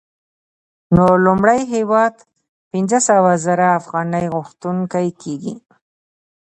نو لومړی هېواد پنځه سوه زره افغانۍ غوښتونکی کېږي